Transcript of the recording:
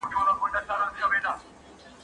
زه کولای سم نان وخورم،